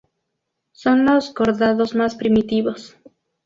Son los cordados más primitivos.